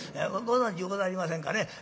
ご存じございませんかね？